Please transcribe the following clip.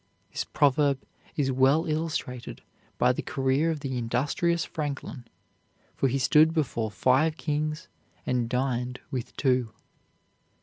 This proverb is well illustrated by the career of the industrious Franklin, for he stood before five kings and dined with two.